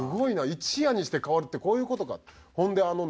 一夜にして変わるってこういう事かって。